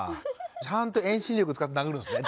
ちゃんと遠心力使って殴るんですね